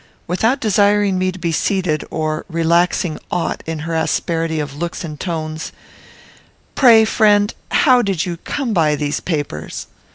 Without desiring me to be seated, or relaxing aught in her asperity of looks and tones, "Pray, friend, how did you come by these papers?"